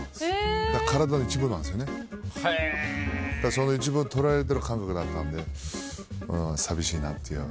その一部を取られてる感覚だったんで寂しいなっていう。